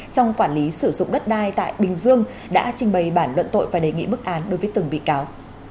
trong quản lý sử dụng đất đai tại bình dương đã trình bày bản luận tội và đề nghị bức án đối với từng bị cáo